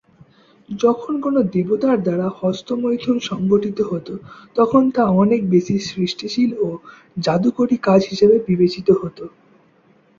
যখন কোনো দেবতার দ্বারা হস্তমৈথুন সংঘটিত হতো, তখন তা অনেক বেশি সৃষ্টিশীল ও জাদুকরী কাজ হিসেবে বিবেচিত হতো।